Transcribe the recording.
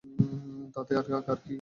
তাতে কার কী?